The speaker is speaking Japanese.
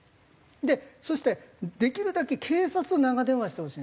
でそしてできるだけ警察と長電話してほしいんですよ。